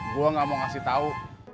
gue gak mau ngasih tahu